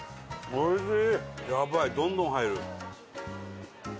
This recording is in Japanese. おいしい！